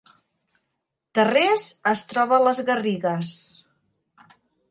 Tarrés es troba a les Garrigues